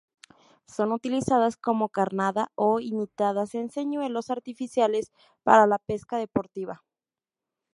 Son utilizadas como carnada o imitadas en señuelos artificiales, para la pesca deportiva.